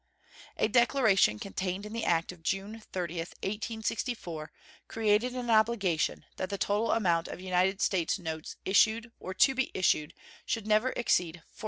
A declaration contained in the act of June 30, 1864, created an obligation that the total amount of United States notes issued or to be issued should never exceed $400,000,000.